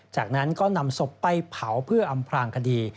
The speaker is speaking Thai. จากนั้นก็นำศพไปเผาเพื่ออำพลางคดี